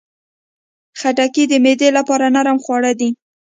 خټکی د معدې لپاره نرم خواړه دي.